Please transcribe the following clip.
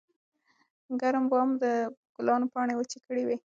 ګرم باد د ګلانو پاڼې وچې کړې وې.